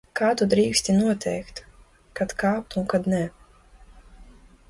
Kā tu drīksti noteikt, kad kāpt un kad ne?